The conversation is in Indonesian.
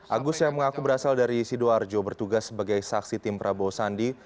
agus yang mengaku berasal dari sidoarjo bertugas sebagai saksi tim prabowo sandi